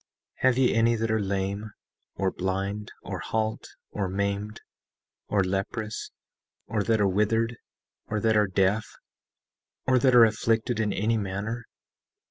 Have ye any that are lame, or blind, or halt, or maimed, or leprous, or that are withered, or that are deaf, or that are afflicted in any manner?